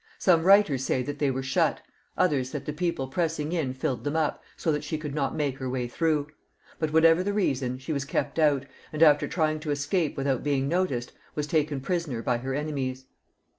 Some writers say that they were shut ; others, that the people pressing in filled them up, so that she could not make her way through ; but whatever the reason, she was kept out, and after trying to escape without being noticed, was taken prisoner by her enemies.